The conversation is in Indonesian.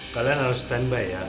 kalian harus stand by ya